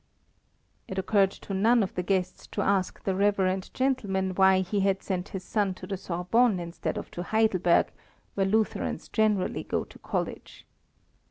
It occurred to none of the guests to ask the reverend gentleman why he had sent his son to the Sorbonne instead of to Heidelberg, where Lutherans generally go to college.